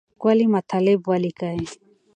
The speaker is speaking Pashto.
ښکلي مطالب ولیکئ.